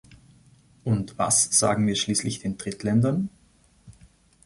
Und was sagen wir schließlich den Drittländern?